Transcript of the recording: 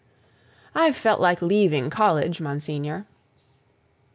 "I've felt like leaving college, Monsignor."